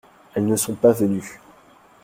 Elles ne sont pas venues.